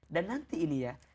dan nanti ini ya